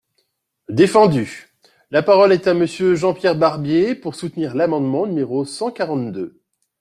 Défendu ! La parole est à Monsieur Jean-Pierre Barbier, pour soutenir l’amendement numéro cent quarante-deux.